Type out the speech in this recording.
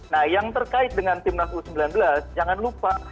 nah yang terkait dengan timnas u sembilan belas jangan lupa